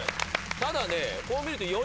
ただね。